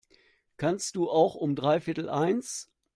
Kannst du auch um dreiviertel eins?